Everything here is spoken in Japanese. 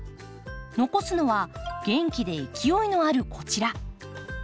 残すのは元気で勢いのあるこちら。